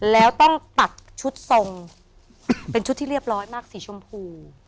แล้วต้องตัดชุดทรงเป็นชุดที่เรียบร้อยมากสีชมพู